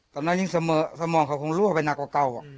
แต่นั่นยิ่งเสมอสมองเขาคงรู้เข้าไปหนักเก่าเก่าอืม